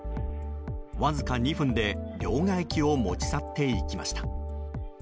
わずか２分で両替機を持ち去っていきました。